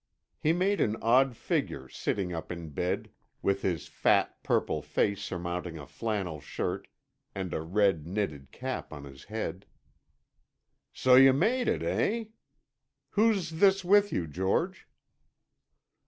He made an odd figure sitting up in bed, with his fat, purple face surmounting a flannel shirt, and a red, knitted cap on his head. "So you made it, eh? Who's this with you, George?"